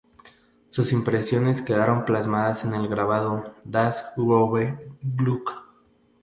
Sus impresiones quedaron plasmadas en el grabado "Das große Glück.